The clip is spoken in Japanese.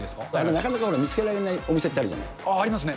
なかなか見つけられないお店ありますね。